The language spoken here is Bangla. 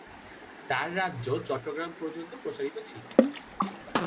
তার রাজ্য চট্টগ্রাম পর্যন্ত প্রসারিত ছিল।